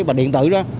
và điện tử đó